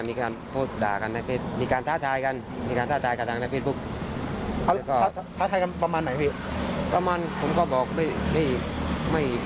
คิดว่ามันต้องหนักมันจะมีการก็ทนนี่ไว้